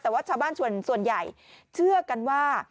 แต่ว่าชาวบ้านส่วนใหญ่เชื่อกันว่า